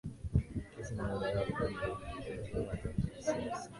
kesi anayodai kuwa ni hujuma za kisiasa